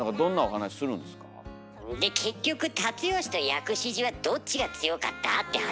「で結局辰吉と薬師寺はどっちが強かった？」って話。